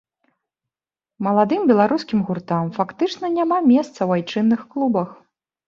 Маладым беларускім гуртам фактычна няма месца ў айчынных клубах.